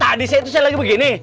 tadi saya tuh saya lagi begini